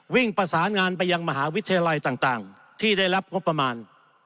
ประสานงานไปยังมหาวิทยาลัยต่างที่ได้รับงบประมาณ